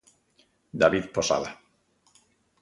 David Posada.